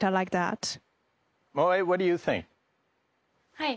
はい。